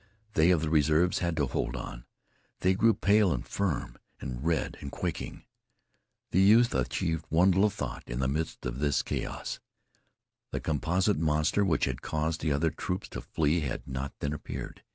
They of the reserves had to hold on. They grew pale and firm, and red and quaking. The youth achieved one little thought in the midst of this chaos. The composite monster which had caused the other troops to flee had not then appeared.